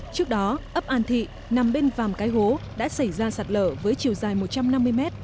trước đó ấp an thị nằm bên vàm cái hố đã xảy ra sạt lở với chiều dài một trăm năm mươi mét